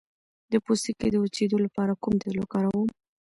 د پوستکي د وچیدو لپاره کوم تېل وکاروم؟